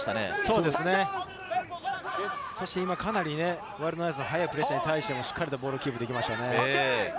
今かなりワイルドナイツの早いプレッシャーに対してもボールをキープできました。